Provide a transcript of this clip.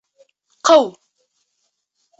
Ҡыу!